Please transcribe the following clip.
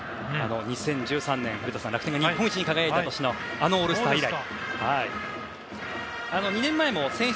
２０１３年、古田さん楽天が日本一に輝いた年のあのオールスター以来。